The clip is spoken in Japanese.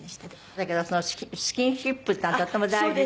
だけどスキンシップっていうのがとっても大事で。